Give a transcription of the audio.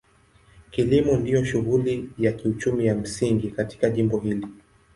Kilimo ndio shughuli ya kiuchumi ya msingi katika jimbo hili.